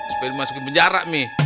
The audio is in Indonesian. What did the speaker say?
supaya lu masuk ke penjara mi